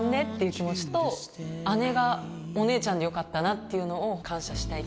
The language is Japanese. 気持ちと姉がお姉ちゃんでよかったなっていうのを感謝したい。